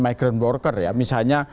migrant worker ya misalnya